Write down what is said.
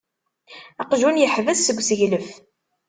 Aqjun yeḥbes seg useglef.